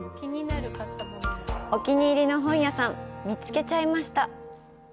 お気に入りの本屋さん見つけちゃいました。